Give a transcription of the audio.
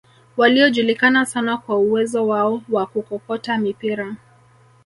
waliojulikana sana kwa uwezo wao wa kukokota mipira